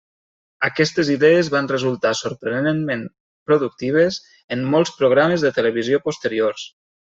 Aquestes idees van resultar sorprenentment productives en molts programes de televisió posteriors.